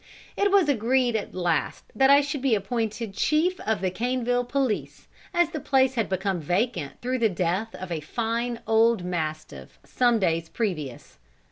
It was agreed at last that I should be appointed chief of the Caneville police, as the place had become vacant through the death of a fine old mastiff some days previous.